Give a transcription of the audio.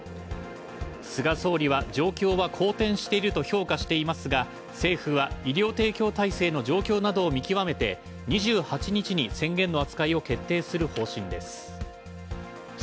菅総理は「状況は好転している」と評価していますが、政府は医療提供体制の状況などを見極めて２８日に宣言の扱いを決定する方針です。